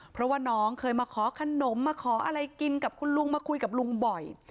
เพราะว่าน้องเคยมาขอขนมมาขออะไรกินกับคุณลุงมาคุยกับลุงบ่อย